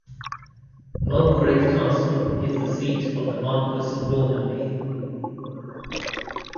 Mulgrave Castle is the seat of the Marquess of Normanby.